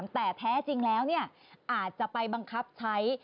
แต่แท้จริงแล้วอาจจะไปบังคับใช้